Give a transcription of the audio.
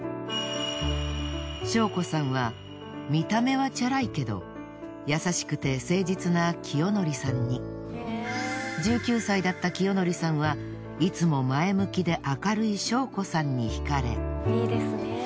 唱子さんは見た目はチャラいけど優しくて誠実な清智さんに１９歳だった清智さんはいつも前向きで明るい唱子さんに引かれ。